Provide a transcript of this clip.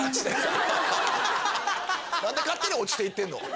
何で勝手に落ちていってんの？